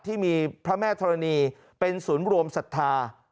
ที่มีพระแม่ธรณีเป็นศูนย์รวมศรัทธา